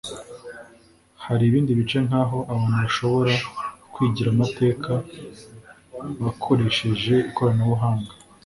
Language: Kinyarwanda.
Hari ibindi bice nkaho abantu bashobora kwigira amateka bakoresheje ikoranabuhanga